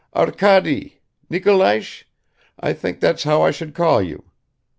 "Arkady Nikolaich? I think that's how I should call you.